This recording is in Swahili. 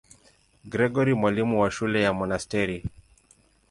Gregori, mwalimu wa shule ya monasteri.